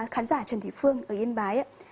khán giả trần thị phương ở yên bái